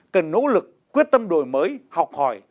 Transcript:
cần nỗ lực quyết tâm đổi mới học hỏi